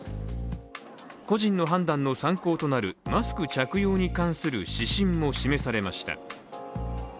個人の判断の参考となるマスク着用に関する指針も示されました。